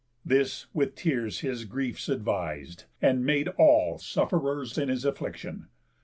This with tears His griefs advis'd, and made all sufferers In his affliction.